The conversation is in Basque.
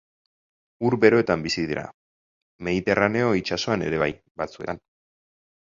Ur beroetan bizi dira, Mediterraneo itsasoan ere bai, batzuetan.